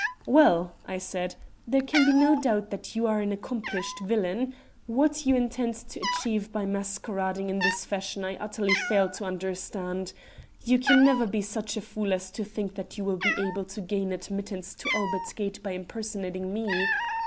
"'Well,' I said, 'there can be no doubt that you are an accomplished villain. What you intend to achieve by masquerading in this fashion I utterly fail to understand. You can never be such a fool as to think that you will be able to gain admittance to Albert Gate by impersonating me.